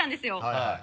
はい。